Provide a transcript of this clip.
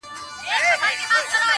• خپل نصیب وو تر قفسه رسولی -